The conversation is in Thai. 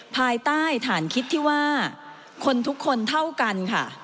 ภายใต้ฐานคิดที่ว่าคนทุกคนเท่ากันค่ะ